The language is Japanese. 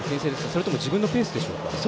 それとも自分のペースでしょうか？